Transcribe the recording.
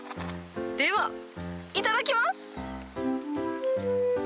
では、いただきます。